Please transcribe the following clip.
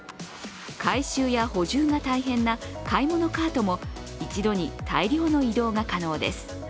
回収や補充が大変な買い物カートも一度に大量の移動が可能です。